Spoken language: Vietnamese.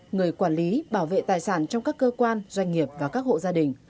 người quản lý bảo vệ tài sản trong các cơ quan doanh nghiệp và các hộ gia đình